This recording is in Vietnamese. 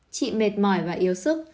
trị mệt mỏi và yếu sức